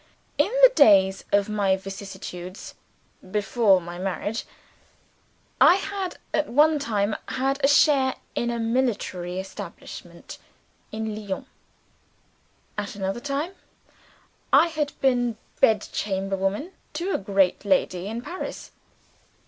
In the days of my vicissitudes (before my marriage) I had at one time had a share in a millinery establishment in Lyons. At another time, I had been bedchamber woman to a great lady in Paris.